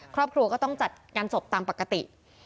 ครอบครัวก็ต้องจัดงานศพตามปกติ